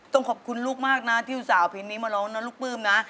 ต้องขอบคุณลูกมากนะที่สาวพีชนี้มาร้องนะลูกปื้มนะ